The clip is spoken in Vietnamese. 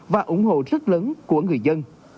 và ủng hộ rất lớn của người dân